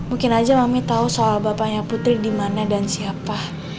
andai saja mami tau soal bapaknya putri dimana dan siapa